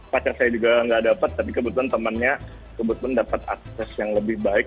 pacar saya juga nggak dapat tapi kebetulan temannya kebetulan dapat akses yang lebih baik